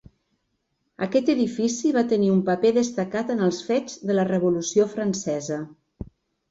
Aquest edifici va tenir un paper destacat en els fets de la Revolució Francesa.